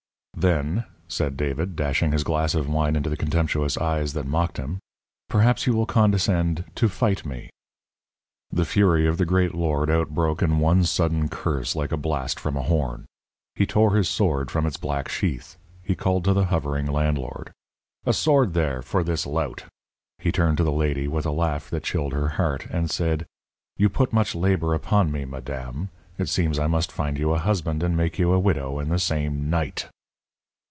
"Then," said David, dashing his glass of wine into the contemptuous eyes that mocked him, "perhaps you will condescend to fight me." The fury of the great lord outbroke in one sudden curse like a blast from a horn. He tore his sword from its black sheath; he called to the hovering landlord: "A sword there, for this lout!" He turned to the lady, with a laugh that chilled her heart, and said: "You put much labour upon me, madame. It seems I must find you a husband and make you a widow in the same night."